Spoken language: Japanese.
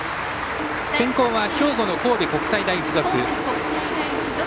先攻は兵庫の神戸国際大付属。